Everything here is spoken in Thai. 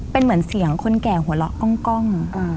เป็นเหมือนเสียงคนแก่หัวเราะกล้อง